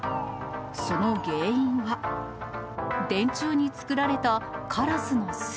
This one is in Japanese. その原因は、電柱に作られたカラスの巣。